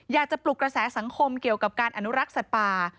ปลุกกระแสสังคมเกี่ยวกับการอนุรักษ์สัตว์ป่า